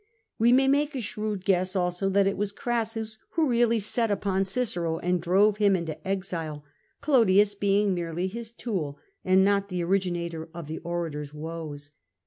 We may make a shrewd guess also that it was Crassus who really set upon Cicero and drove him into exile, Clodius being merely his tool, and not the origi nator of the orator's woes.